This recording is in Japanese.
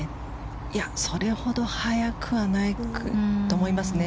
それほど速くはないと思いますね。